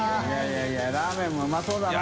いやラーメンもうまそうだな。